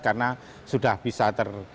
karena sudah bisa ter